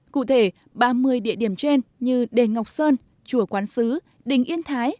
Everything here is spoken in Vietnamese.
cụ thể ba mươi địa điểm trên như đền ngọc sơn chùa quán sứ đình yên thái